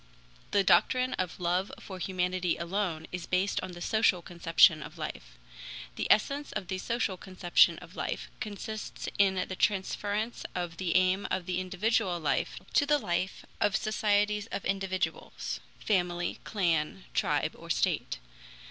The doctrine of love for humanity alone is based on the social conception of life. The essence of the social conception of life consists in the transference of the aim of the individual life to the life of societies of individuals: family, clan, tribe, or state.